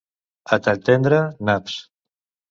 A Talltendre, naps.